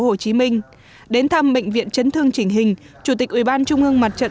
hồ chí minh đến thăm bệnh viện chấn thương chỉnh hình chủ tịch ủy ban trung ương mặt trận